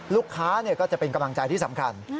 ลูกค้าก็จะเป็นกำลังใจที่สำคัญ